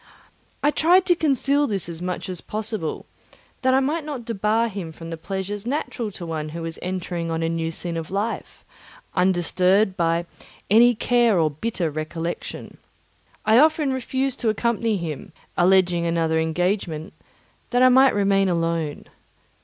I tried to conceal this as much as possible, that I might not debar him from the pleasures natural to one who was entering on a new scene of life, undisturbed by any care or bitter recollection. I often refused to accompany him, alleging another engagement, that I might remain alone.